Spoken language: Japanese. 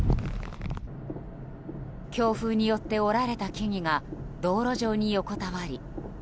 強風によって折られた木々が道路上に横たわり。